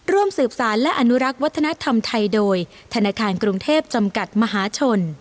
ร่วมสืบสารและอนุรักษ์วัฒนธรรมไทยโดยธนาคารกรุงเทพจำกัดมหาชน